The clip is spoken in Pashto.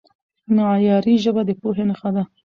معیاري ژبه د پوهې نښه ده.